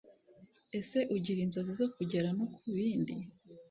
ese ugira inzozi zo kugera no ku bindi.